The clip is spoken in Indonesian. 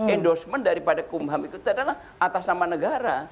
endorsement daripada kumham itu adalah atas nama negara